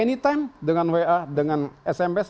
anytime dengan wa dengan sms